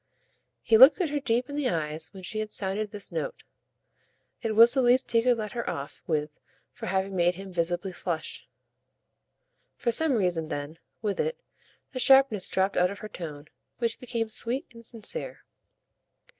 He looked at her deep in the eyes when she had sounded this note; it was the least he could let her off with for having made him visibly flush. For some reason then, with it, the sharpness dropped out of her tone, which became sweet and sincere.